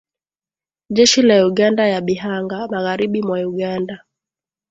jeshi la Uganda ya Bihanga, magharibi mwa Uganda